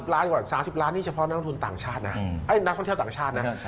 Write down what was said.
๓๐ล้านก่อน๓๐ล้านนี่เฉพาะนักท่องเที่ยวต่างชาตินะ